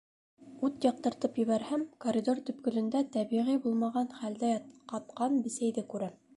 Ут яҡтыртып ебәрһәм, коридор төпкөлөндә тәбиғи булмаған хәлдә ҡатҡан бесәйҙе күрәм.